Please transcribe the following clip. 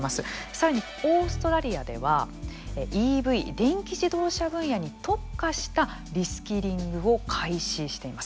さらに、オーストラリアではＥＶ、電気自動車分野に特化したリスキリングを開始しています。